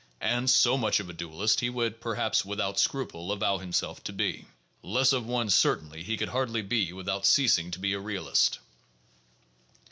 And so much of a dualist he would perhaps without scruple avow himself to be. Less of one, certainly, he could hardly be without ceasing to be a realist.